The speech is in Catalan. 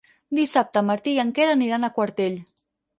Dissabte en Martí i en Quer aniran a Quartell.